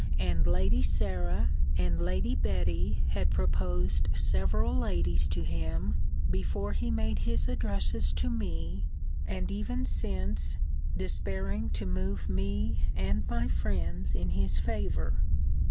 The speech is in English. and Lady Sarah, and Lady Betty had proposed several ladies to him, before he made his addresses to me: and even since; despairing to move me and my friends in his favour.